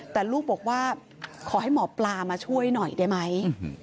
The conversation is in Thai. แต่ลูกบอกว่าขอให้หมอปลามาช่วยหน่อยได้ไหม